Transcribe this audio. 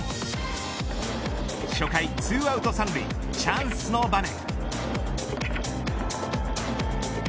初回２アウト３塁チャンスの場面。